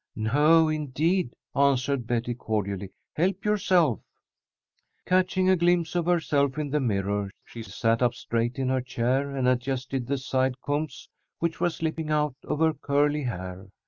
"No, indeed!" answered Betty, cordially. "Help yourself." Catching a glimpse of herself in the mirror, she sat up straight in her chair, and adjusted the side combs which were slipping out of her curly hair.